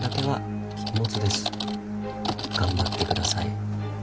頑張ってください。